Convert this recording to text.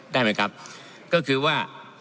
ได้ไหมครับก็คือว่า